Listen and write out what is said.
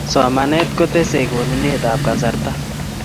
somanet kotesei konunet ap kasarta